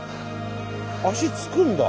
足つくんだ。